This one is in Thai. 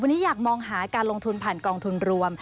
วันนี้อยากมองหาการลงทุนผ่านกองทุนรวม